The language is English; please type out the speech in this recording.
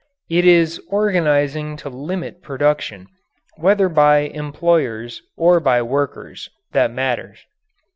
It is organizing to limit production whether by employers or by workers that matters.